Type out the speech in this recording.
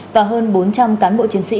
và hơn bốn trăm linh cán bộ chiến sĩ